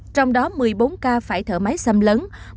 trong đó một mươi bốn ca phải thở máy xăm lớn